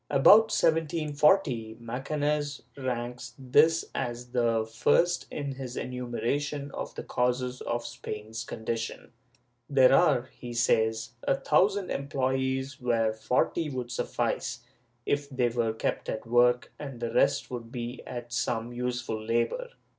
^ About 1740, Macanaz ranks this as the first in his enumeration of the causes of Spain's condition; there are, he says, a thousand employees where forty would suffice, if they were kept at work, and the rest could be set at some useful labor.